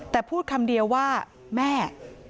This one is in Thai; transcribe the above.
แต่พูดคำเดียวว่าแม่